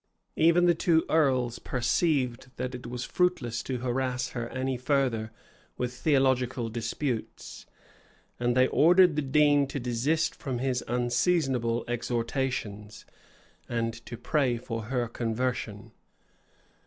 Even the two earls perceived that it was fruitless to harass her any further with theological disputes; and they ordered the dean to desist from his unseasonable exhortations, and to pray for her conversion.